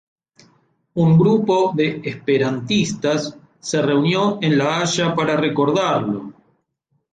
Un grupo de esperantistas se reunió en La Haya para recordarlo.